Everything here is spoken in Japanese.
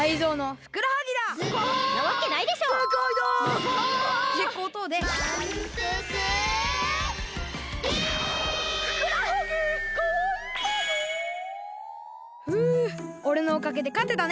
ふうおれのおかげでかてたね。